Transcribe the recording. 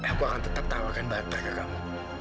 aku akan tetap tawarkan bahan tersebut ke kamu